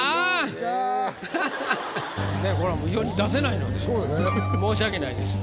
ではこれはもう世に出せないので申し訳ないですが。